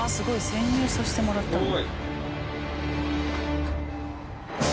潜入させてもらったんだ。